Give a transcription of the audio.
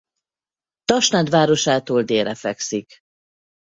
Tasnád városától délre fekszik.